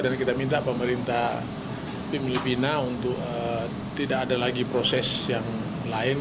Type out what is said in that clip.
dan kita minta pemerintah filipina untuk tidak ada lagi proses yang lain